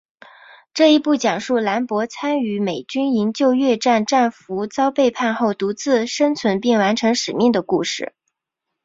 这一部讲述兰博参与美军营救越战战俘遭背叛后独自生存并完成使命的故事。